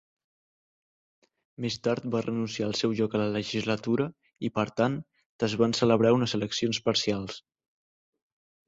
Més tard va renunciar al seu lloc a la legislatura i, per tant, tes van celebrar unes eleccions parcials.